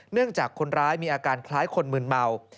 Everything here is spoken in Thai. จากคนร้ายมีอาการคล้ายคนมืนเมา